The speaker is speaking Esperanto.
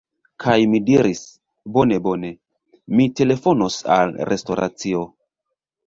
Kaj mi diris, "bone bone... mi telefonos al restoracio"